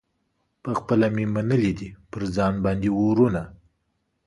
پخپله مي منلي دي پر ځان باندي اورونه